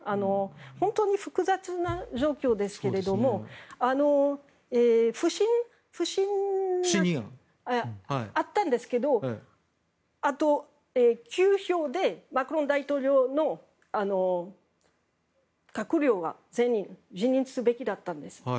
本当に複雑な状況ですけれども不信任案があったんですがあと、９票でマクロン大統領の閣僚が全員、辞任すべきだったんです。